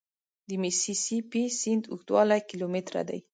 د میسي سي پي سیند اوږدوالی کیلومتره دی.